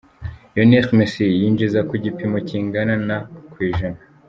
Lionel Messi :yinjiza ku gipimo kingana na ku ijana.